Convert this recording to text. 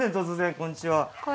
こんにちは。